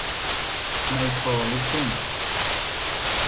ไมโครลิสซิ่ง